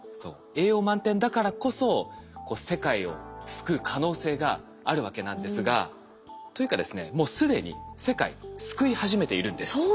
栄養満点だからこそ世界を救う可能性があるわけなんですが。というかですねもう既に世界救い始めているんです。